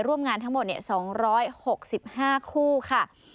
ร่วมงานทั้งหมดเนี่ยสองร้อยหกสิบห้าคู่ค่ะ